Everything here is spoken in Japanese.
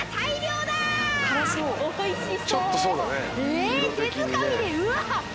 えっ手づかみでうわ！